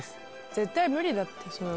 絶対無理だってそれは。